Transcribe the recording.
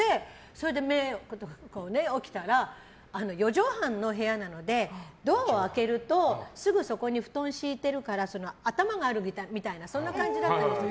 それで起きたら４畳半の部屋なのでドアを開けるとすぐそこに布団敷いてるから頭があるみたいなそんな感じだったんですよ。